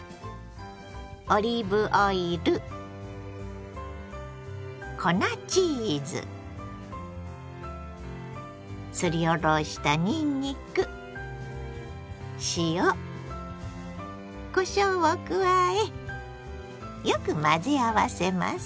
オリーブオイル粉チーズすりおろしたにんにく塩こしょうを加えよく混ぜ合わせます。